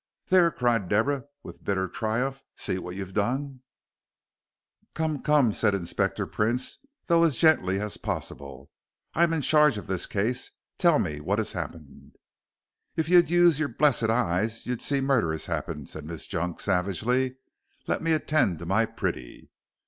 "There!" cried Deborah, with bitter triumph, "see what you've done." "Come come," said Inspector Prince, though as gently as possible. "I am in charge of this case. Tell me what has happened." "If you'd use your blessed eyes you'd see murder has happened," said Miss Junk, savagely. "Let me attend to my pretty."